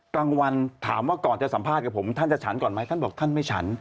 กลางวันถามว่าก่อนจะสัมภาษณ์กับผมท่านจะฉันก่อนไหมท่านบอกท่านไม่ฉัน